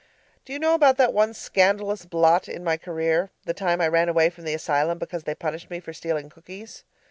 Do you know about that one scandalous blot in my career the time I ran away from the asylum because they punished me for stealing cookies?